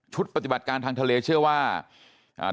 ปฏิบัติการทางทะเลเชื่อว่าอ่า